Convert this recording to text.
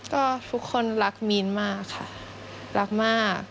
ก็ทุกคนรักมีนมากค่ะรักมาก